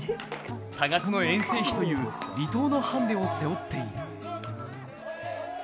多額の遠征費という離島のハンデを背負っている。